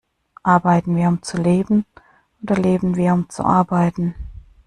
Arbeiten wir, um zu leben oder leben wir, um zu arbeiten?